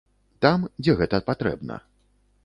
Там, дзе гэта патрэбна.